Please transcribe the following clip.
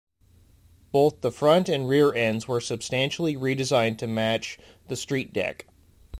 Both the front and rear ends were substantially redesigned to match the StreetDeck.